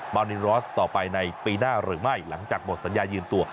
นินรอสต่อไปในปีหน้าหรือไม่หลังจากหมดสัญญายืนตัว